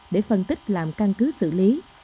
để phân tích làm căn cứ xử lý